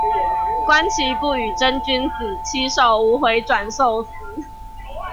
觀棋不語真君子，起手無回轉壽司